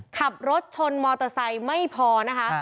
ขับรถชนมอเตอร์ไซค์ไม่พอนะคะ